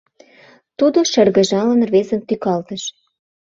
— Тудо, шыргыжалын, рвезым тӱкалтыш.